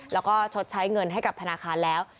แล้วก็ชดใช้เงินให้กับธนาคารแล้ว